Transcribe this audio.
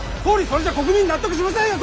それじゃ国民納得しませんよ